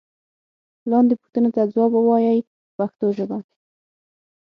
لاندې پوښتنو ته ځواب و وایئ په پښتو ژبه.